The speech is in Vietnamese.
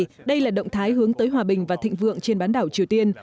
hội đồng sẽ động thái hướng tới hòa bình và thịnh vượng trên bán đảo triều tiên